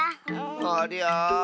ありゃあ。